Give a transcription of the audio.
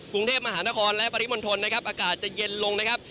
กรุงเทพมหานครและปริมณฑลนะครับอากาศจะเย็นลงนะครับ